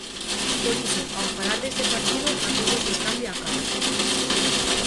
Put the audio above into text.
Por iso ao falar deste partido a todos lles cambia a cara.